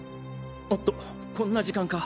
おっとこんな時間か。